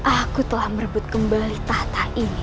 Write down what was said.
aku telah merebut kembali tahta ini